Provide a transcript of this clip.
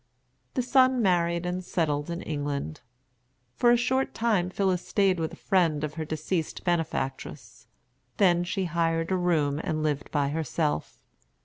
The son married and settled in England. For a short time Phillis stayed with a friend of her deceased benefactress; then she hired a room and lived by herself.